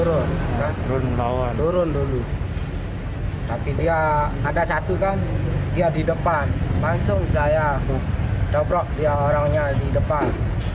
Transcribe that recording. turun bawah turun dulu tapi dia ada satu kan dia di depan langsung saya dobrok dia orangnya di depan